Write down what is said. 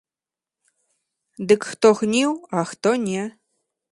Дык хто гніў, а хто не.